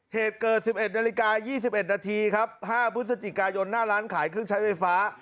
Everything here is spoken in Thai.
เหตุเกิด๑๑นาฬิกา๒๑นาทีครับ๕พฤศจิกายนหน้าร้านขายเครื่องใช้ไฟฟ้า